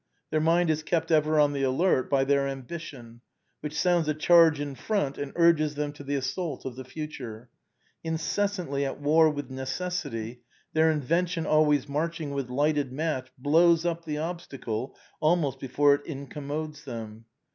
Their mind is kept ever on the alert by their ambition, which sounds a charge in front and urges them to the assault of the future; incessantly at war with necessity, their invention always marching with lighted match blows up the obstacle almost before it incommodes them.